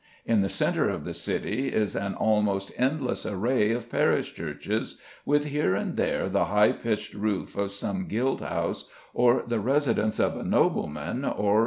In the centre of the City is an almost endless array of parish churches, with here and there the high pitched roof of some guild house, or the residence of a nobleman or wealthy merchant.